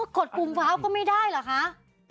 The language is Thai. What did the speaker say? กดปุ่มฟ้าวก็ไม่ได้เหรอคะ